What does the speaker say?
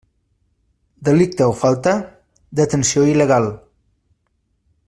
Delicte o falta: detenció il·legal.